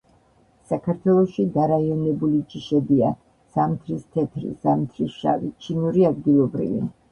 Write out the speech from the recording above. საქართველოში დარაიონებული ჯიშებია: „ზამთრის თეთრი“, „ზამთრის შავი“, „ჩინური ადგილობრივი“.